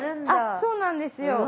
そうなんですよ。